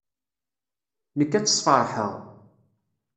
Nekk ad tt-sfeṛḥeɣ.